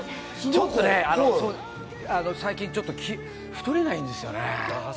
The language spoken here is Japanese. ちょっとね、最近ちょっと太れないんですよね。